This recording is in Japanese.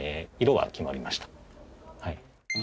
はい。